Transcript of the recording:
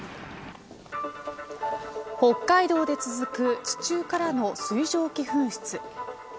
北海道で続く地中からの水蒸気噴出。